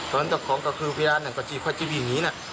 ร้อนตะของก็คือเวลาเนี่ยก็ที่พ่อเจ้าพี่นี้น่ะ